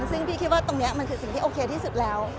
ซึ่งพี่คิดว่าตรงนี้มันคือสิ่งที่โอเคที่สุดแล้ว